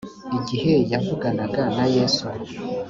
igihe yavuganaga na Yesu